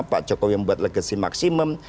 pak jokowi membuat legasi maksimum